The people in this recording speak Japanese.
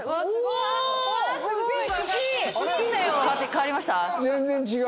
変わりました？